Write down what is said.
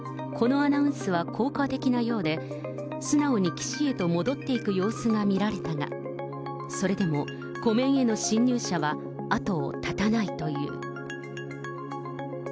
このアナウンスは効果的なようで、素直に岸へと戻っていく様子が見られたが、それでも湖面への侵入者は後を絶たないという。